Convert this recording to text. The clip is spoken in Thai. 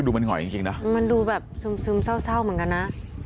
มันหอยจริงนะมันดูแบบซึมเศร้าเหมือนกันนะ